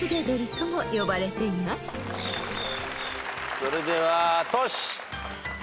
それではトシ。